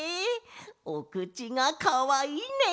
おくちがかわいいね！